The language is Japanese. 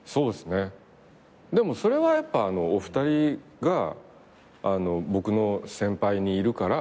でもそれはやっぱお二人が僕の先輩にいるから。